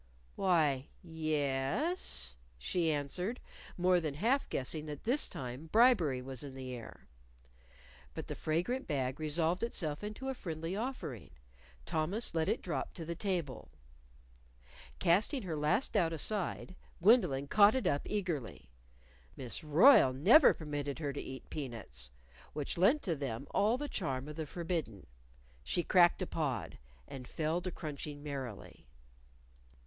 "Why, ye e es," she answered, more than half guessing that this time bribery was in the air. But the fragrant bag resolved itself into a friendly offering. Thomas let it drop to the table. Casting her last doubt aside, Gwendolyn caught it up eagerly. Miss Royle never permitted her to eat peanuts, which lent to them all the charm of the forbidden. She cracked a pod; and fell to crunching merrily.